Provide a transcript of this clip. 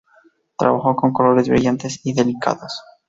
Trabajó con colores brillantes y delicados.